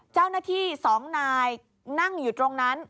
เจ้าหน้าที่๒นายนั่งอยู่ตรงนั้น